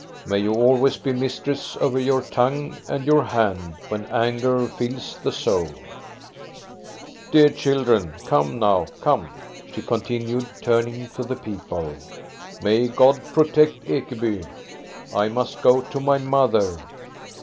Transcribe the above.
May you always be mistress over your tongue and your hand when anger fills the soul !"" Dear children, come now, come !" she continued, turning to the people. " May God protect Ekeby ! I must go to my mother.